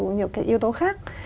nhiều cái yếu tố khác